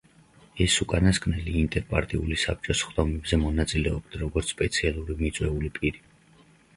ეს უკანასკნელი, ინტერპარტიული საბჭოს სხდომებზე მონაწილეობდა, როგორც სპეციალურად მიწვეული პირი.